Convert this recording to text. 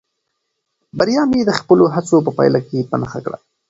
بریا مې د خپلو هڅو په پایله کې په نښه کړه.